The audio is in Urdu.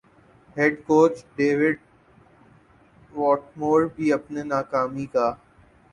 ہیڈ کوچ ڈیو واٹمور بھی اپنی ناکامی کا